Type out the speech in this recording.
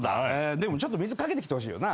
でもちょっと水掛けてきてほしいよな。